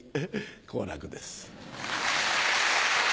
好楽です。